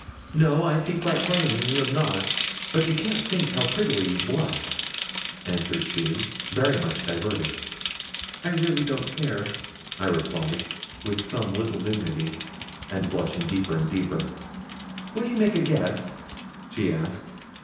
'No, I see quite plainly you have not; but you can't think how prettily you blush,' answered she, very much diverted. 'I really don't care,' I replied, with some little dignity, and blushing deeper and deeper. 'Will you make a guess?' she asked.